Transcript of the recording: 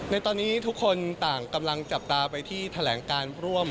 ในตอนนี้ทุกคนต่างกำลังจับตาไปที่แถลงการร่วม